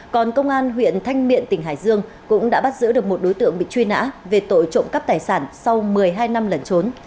còn công an huyện thanh miện tỉnh hải dương cũng đã bắt giữ được một đối tượng bị truy nã về tội trộm cắp tài sản sau một mươi hai năm lẩn trốn